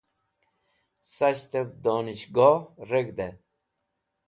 Sahtev Donishgoh Reg̃hde